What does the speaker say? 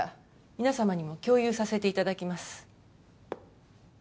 皆様にも共有させていただきます